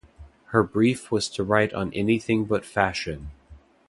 Her brief was to write on anything but fashion.